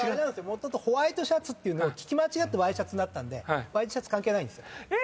もともとホワイトシャツってのを聞き間違って「Ｙシャツ」になったんでＹ字シャツ関係ないんですよ。